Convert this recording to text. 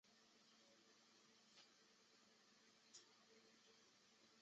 笠间稻荷神社是位于日本茨城县笠间市的神社。